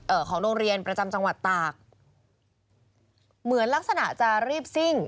ของโรงเรียนประจำจังหวัดตากเหมือนลักษณะจะรีบซิ่ง